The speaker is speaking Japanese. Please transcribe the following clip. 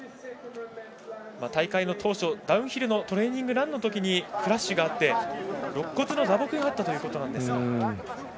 大会の当初、ダウンヒルのトレーニングランのときにクラッシュがあってろっ骨の打撲があったということでしたが。